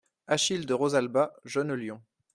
Achille de Rosalba , jeune lion.